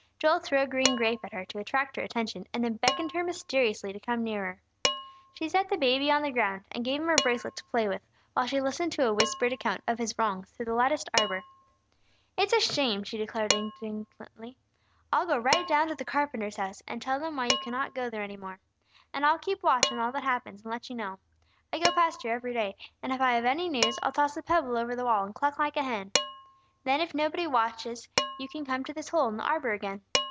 Joel threw a green grape at her to attract her attention, and then beckoned her mysteriously to come nearer. She set the baby on the ground, and gave him her bracelet to play with, while she listened to a whispered account of his wrongs through the latticed arbor. "It's a shame!" she declared indignantly. "I'll go right down to the carpenter's house and tell them why you cannot go there any more. And I'll keep watch on all that happens, and let you know. I go past here every day, and if I have any news, I'll toss a pebble over the wall and cluck like a hen. Then if nobody is watching, you can come to this hole in the arbor again."